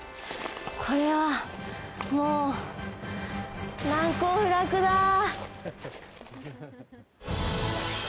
これは、もう、難攻不落だー！